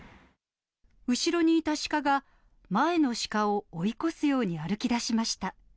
後ろにいたシカが、前のシカを追い越すように歩きだしました。